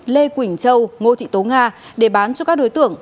lê quỳnh châu ngô thị tố nga để bán cho các đối tượng